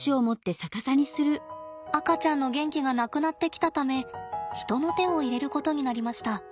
赤ちゃんの元気がなくなってきたため人の手を入れることになりました。